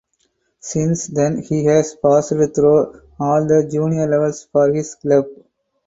Since then he has passed through all the junior levels for his club.